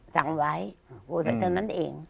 สั่งไว้กูใส่เท่านั้นเอง